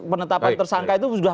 penetapan tersangka itu sudah